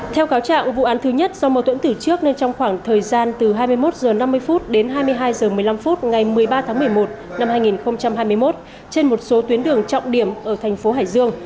theo cáo trạng vụ án thứ nhất do mâu thuẫn tử trước nên trong khoảng thời gian từ hai mươi một h năm mươi đến hai mươi hai h một mươi năm phút ngày một mươi ba tháng một mươi một năm hai nghìn hai mươi một trên một số tuyến đường trọng điểm ở thành phố hải dương